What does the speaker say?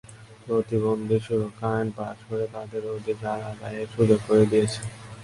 প্রতিবন্ধী সুরক্ষা আইন পাস করে তাদের অধিকার আদায়ের সুযোগ করে দিয়েছে।